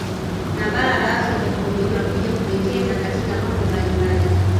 Na bara la Afrika kwa ujumla kuja kuwekeza katika mambo mbalimmbali